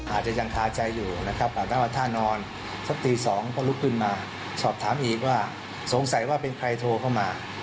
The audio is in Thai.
อาจจะยังคาใจอยู่นะครับอาจจะท่านอนสักตี๒ก็ลุกขึ้นมาสอบถามอีกว่าสงสัยว่าเป็นใครโทรเข้ามา